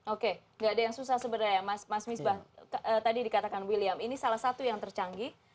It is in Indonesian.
oke gak ada yang susah sebenarnya mas misbah tadi dikatakan william ini salah satu yang tercanggih